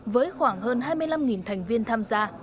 với khoảng hơn hai mươi năm thành viên tham gia